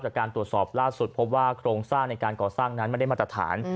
จากการตรวจสอบล่าสุดพบว่าโครงสร้างในการก่อสร้างนั้นไม่ได้มาตรฐาน